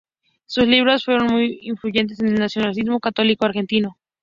Sus libros fueron muy influyentes en el nacionalismo católico argentino.